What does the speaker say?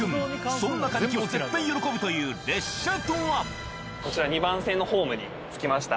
そんな神木も絶対喜ぶという列車こちら、２番線のホームに着きました。